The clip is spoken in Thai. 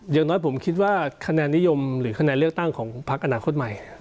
อย่างน้อยผมคิดว่าคะแนนนิยมหรือคะแนนเลือกตั้งของพักอนาคตใหม่